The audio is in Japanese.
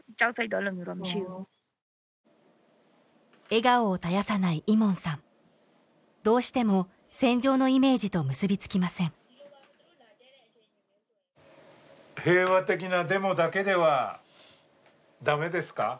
笑顔を絶やさないイモンさんどうしても戦場のイメージと結びつきません平和的なデモだけではだめですか？